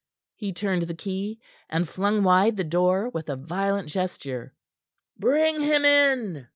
He turned the key, and flung wide the door with a violent gesture. "Bring him in!"